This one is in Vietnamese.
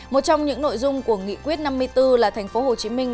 một trong những nội dung của nghị quyết năm mươi bốn là thành phố hồ chí minh